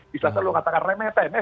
bisa saya lakukan remeh pemeh